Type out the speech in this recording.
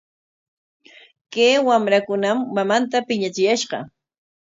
Kay wamrakunam mamanta piñachiyashqa.